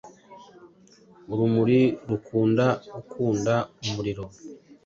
Urumuri rukunda gukunda umuriro